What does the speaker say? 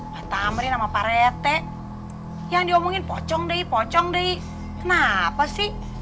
pak tamrin sama pak rete yang diomongin pocong deh pocong deh kenapa sih